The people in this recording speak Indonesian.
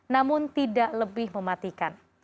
namun tidak lebih mematikan